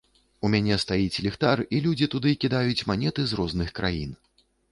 У мяне стаіць ліхтар, і людзі туды кідаюць манеты з розных краін.